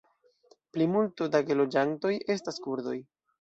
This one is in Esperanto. Plimulto da geloĝantoj estas kurdoj.